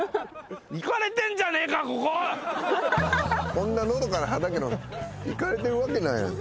こんなのどかな畑イカれてるわけないやん。